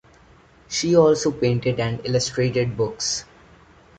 She also painted and illustrated books.